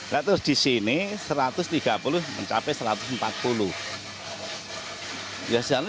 lalu terus di sini rp satu ratus tiga puluh sampai rp satu ratus empat puluh